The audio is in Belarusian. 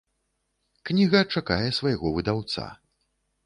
Кніга чакае свайго выдаўца.